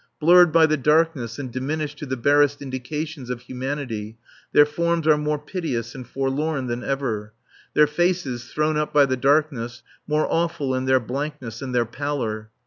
Blurred by the darkness and diminished to the barest indications of humanity, their forms are more piteous and forlorn than ever; their faces, thrown up by the darkness, more awful in their blankness and their pallor.